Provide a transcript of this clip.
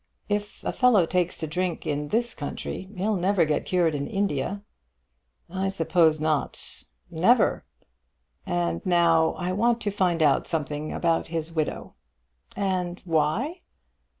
If a fellow takes to drink in this country, he'll never get cured in India." "I suppose not." "Never." "And now I want to find out something about his widow." "And why?"